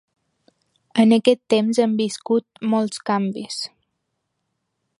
En aquest temps hem viscut molts canvis.